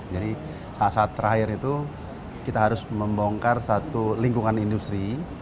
jadi saat saat terakhir itu kita harus membongkar satu lingkungan industri